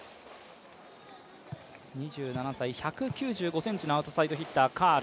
２７歳、１９５ｃｍのアウトサイドヒッター、カール。